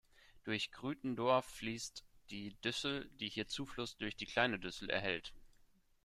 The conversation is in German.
Durch Gruiten-Dorf fließt die Düssel, die hier Zufluss durch die Kleine Düssel erhält.